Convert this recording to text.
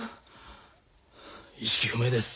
意識不明です。